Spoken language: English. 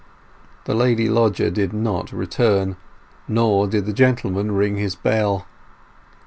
The lady lodger did not return, nor did the gentleman ring his bell.